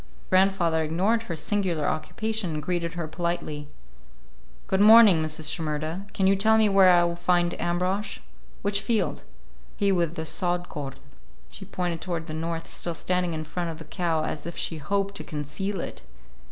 Grandfather ignored her singular occupation and greeted her politely. "Good morning, Mrs. Shimerda. Can you tell me where I will find Ambrosch? Which field?" "He with the sod corn." She pointed toward the north, still standing in front of the cow as if she hoped to conceal it.